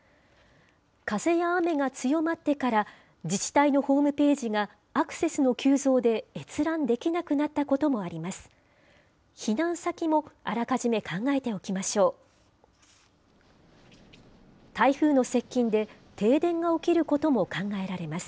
風や雨が強まってから、自治体のホームページがアクセスの急増で閲覧できなくなったこともあります。